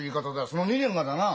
その２年がだな。